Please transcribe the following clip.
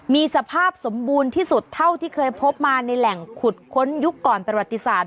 มีสภาพสมบูรณ์ที่สุดเท่าที่เคยพบมาในแหล่งขุดค้นยุคก่อนประวัติศาสต